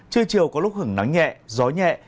trưa chiều có lúc hứng nắng nhẹ gió nhẹ